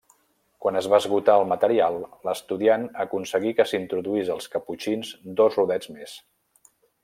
Quan es va esgotar el material, l'estudiant aconseguí que s'introduís als Caputxins dos rodets més.